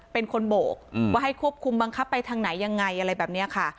เป็นคนโบกว่าให้ควบคุมบังคับไปทางไหนยังไงอะไรแบบนี้ค่ะ